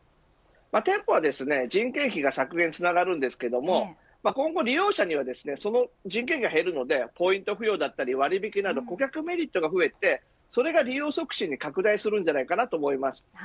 店舗は人件費が削減につながりますが今後、利用者には人件費が減るのでポイント付与であったり割引など顧客メリットが増えてそれが利用促進に拡大するんじゃないかと思います。